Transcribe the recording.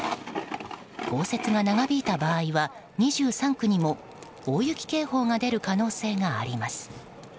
降雪が長引いた場合は２３区にも大雪警報が出る可能性があります。